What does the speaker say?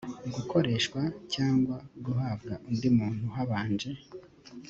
gukoreshwa cyangwa guhabwa undi muntu habanje